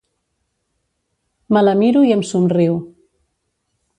Me la miro i em somriu.